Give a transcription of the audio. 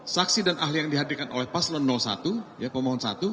saksi dan ahli yang dihadirkan oleh paslon satu pemohon satu